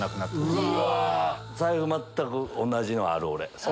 財布全く同じのある俺。